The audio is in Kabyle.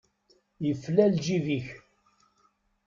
Yefla lǧib-ik!